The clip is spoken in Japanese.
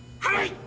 はい！